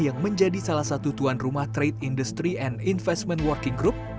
yang menjadi salah satu tuan rumah trade industry and investment working group